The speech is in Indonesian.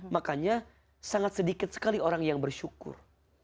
makanya sangat sedikit sekali orang yang bersyukur